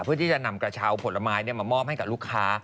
เพื่อที่จะนำกระเช้าผลไม้มามอบให้กับลูกค้า